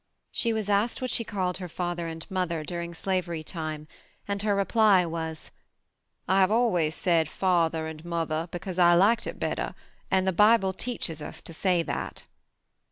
She was asked what she called her father and mother during slavery time, and her reply was: "I have always said father and mother because I liked it better, and the Bible teaches us to say that.